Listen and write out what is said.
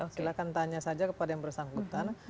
silahkan tanya saja kepada yang bersangkutan